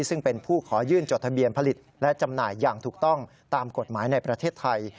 ซึ่งเป็นผู้ขอยื่นจดทะเบียนผลิตและจำหน่ายอย่างถูกต้องตามกฎหมายในประเทศไทย